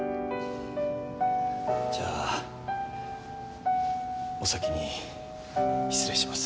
じゃあお先に失礼します。